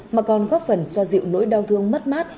mà còn góp phần xoa dịu nỗi đau thương mất mát